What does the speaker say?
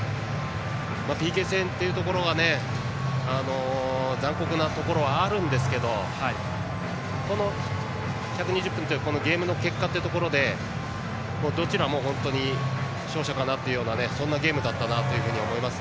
ＰＫ戦というところは残酷なところはありますがこの１２０分というゲームの結果はどちらも本当に勝者かなというそんなゲームだったなと思います。